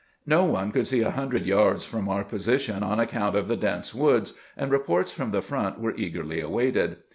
No one could see a hundred yards from our position on account of the dense woods, and reports from the front were eagerly awaited.